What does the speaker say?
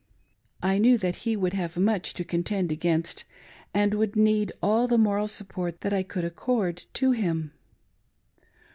I knew that he would have much to contend against, and would need all the moral support that I could accord to him.